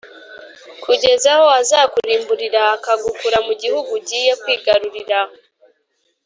kugeza aho azakurimburira akagukura mu gihugu ugiye kwigarurira